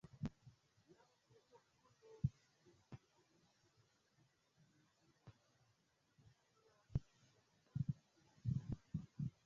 La protokolo de tiu kongreso estis skribita en tri lingvoj: angla, franca, esperanta.